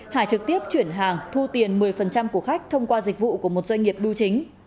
hải trực tiếp chuyển hàng thu tiền một mươi của khách thông qua dịch vụ của một doanh nghiệp bưu chính